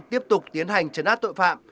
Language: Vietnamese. tiếp tục tiến hành chấn át tội phạm